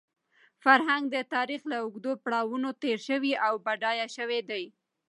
فرهنګ د تاریخ له اوږدو پړاوونو تېر شوی او بډایه شوی دی.